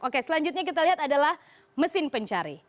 oke selanjutnya kita lihat adalah mesin pencari